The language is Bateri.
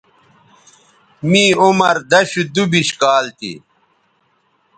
می عمر دشودُوبش کال تھی